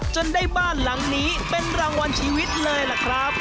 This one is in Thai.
จนได้บ้านหลังนี้เป็นรางวัลชีวิตเลยล่ะครับ